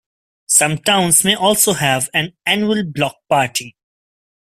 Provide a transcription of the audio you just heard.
Some towns may also have an annual block party.